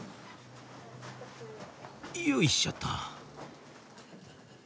よいしょっと。